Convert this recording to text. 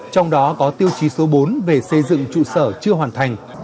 trong đó có tiêu chí số bốn về xây dựng trụ sở chưa hoàn thành